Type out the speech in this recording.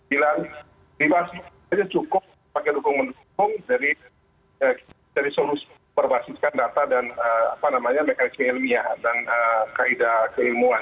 ini cukup pakai dukung dukung dari solusi perbasiskan data dan mekanisme ilmiah dan kaida keilmuan